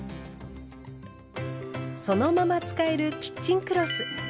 そのまま使えるキッチンクロス。